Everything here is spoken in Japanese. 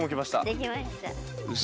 できました。